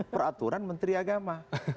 peraturan menteri agama